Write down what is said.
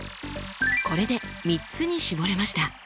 これで３つに絞れました。